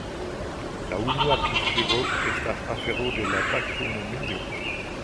La unua priskribo estas afero de la taksonomio.